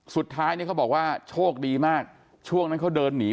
สุดท้ายเนี่ยเขาบอกว่าโชคดีมากช่วงนั้นเขาเดินหนี